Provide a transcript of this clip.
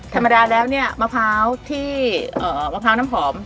ธรรมดาแล้วมะขาวน้ำหอม